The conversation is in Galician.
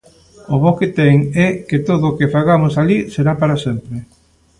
O bo que ten é que todo o que fagamos alí será para sempre.